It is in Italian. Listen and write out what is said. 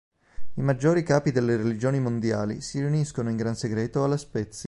I maggiori capi delle religioni mondiali si riuniscono in gran segreto a La Spezia.